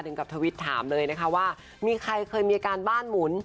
กับทวิตถามเลยนะคะว่ามีใครเคยมีอาการบ้านหมุน